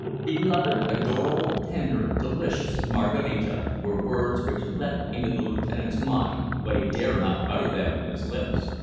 "Beloved, adorable, tender, delicious Maraquita," were words which leapt into the lieutenant's mind, but he dare not utter them with his lips.